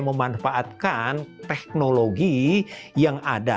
memanfaatkan teknologi yang ada